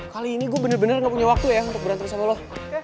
kali ini gue bener bener gak punya waktu ya untuk berantem sama lo